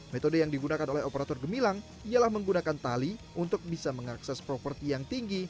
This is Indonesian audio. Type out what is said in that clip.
metode yang digunakan oleh operator gemilang ialah menggunakan tali untuk bisa mengakses properti yang tinggi